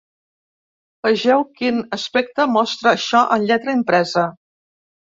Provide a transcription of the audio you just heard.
Vegeu quin aspecte mostra això en lletra impresa.